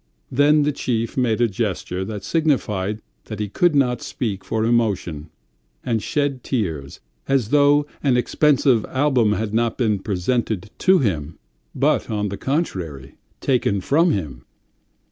Then the chief made a gesture that signified that he could not speak for emotion, and shed tears as though an expensive album had not been presented to him, but on the contrary, taken from him